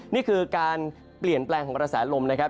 นี่คือการเปลี่ยนแปลงของกระแสลมนะครับ